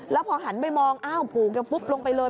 แล้วพอหันไปมองอ้าวปู่แกฟุบลงไปเลย